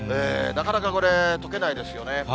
なかなかこれ、とけないですよね。